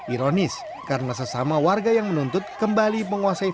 ironis karena sesama warga yang menuntut kembali menguasai